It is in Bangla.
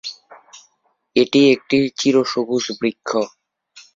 এটি একটি চির সবুজ বৃক্ষ।